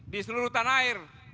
di seluruh tanah air